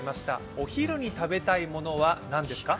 お昼に食べたいものは何ですか？